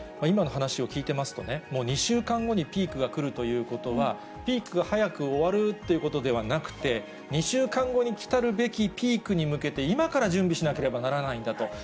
今の話を聞いてますとね、２週間後にピークが来るということは、ピーク、早く終わるということではなくて、２週間後にきたるべきピークに向けて、今から準備しなければならないんだと。